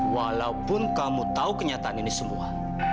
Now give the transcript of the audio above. walaupun kamu tahu kenyataan ini semua